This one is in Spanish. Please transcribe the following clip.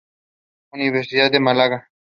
Universidad de Málaga